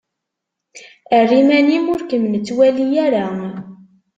Err iman-im ur kem-nettwali ara.